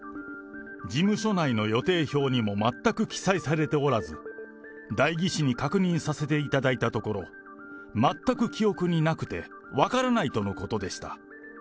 事務所内の予定表にも全く記載されておらず、代議士に確認させていただいたところ、全く記憶になくて、分からないとのことでした。